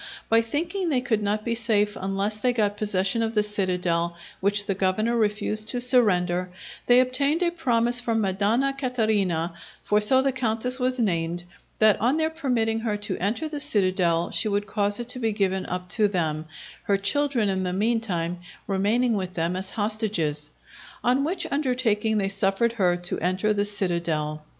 By thinking they could not be safe unless they got possession of the citadel, which the governor refused to surrender, they obtained a promise from Madonna Caterina, for so the Countess was named, that on their permitting her to enter the citadel she would cause it to be given up to them, her children in the mean time remaining with them as hostages. On which undertaking they suffered her to enter the citadel.